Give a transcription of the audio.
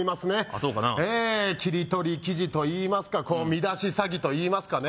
そうかな切り取り記事といいますか見出し詐欺といいますかね